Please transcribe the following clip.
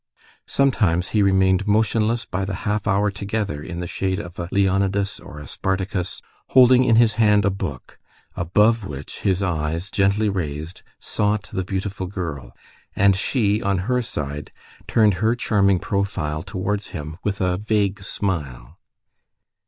Sometimes, he remained motionless by the half hour together in the shade of a Leonidas or a Spartacus, holding in his hand a book, above which his eyes, gently raised, sought the beautiful girl, and she, on her side, turned her charming profile towards him with a vague smile.